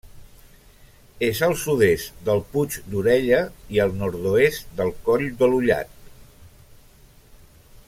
És al sud-est del Puig d'Orella i al nord-oest del Coll de l'Ullat.